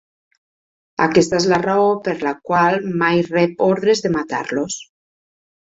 Aquesta és la raó per la qual mai rep ordres de matar-los.